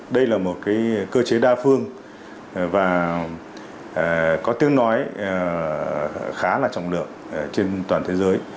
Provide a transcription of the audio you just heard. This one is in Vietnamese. đây là một cơ chế đa phương và có tiếng nói khá là trọng lượng trên toàn thế giới